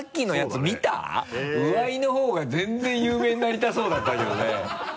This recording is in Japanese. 上井の方が全然有名になりたそうだったけどね。